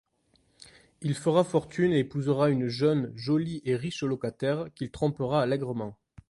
Il fera fortune et épousera une jeune, jolie et riche locataire, qu'il trompera allègrement.